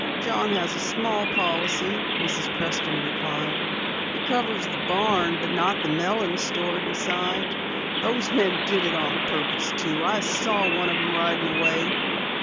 "John has a small policy," Mrs. Preston replied. "It covers the barn, but not the melons stored inside. Those men did it on purpose, too! I saw one of 'em riding away."